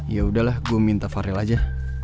yaudah lah gue minta varel aja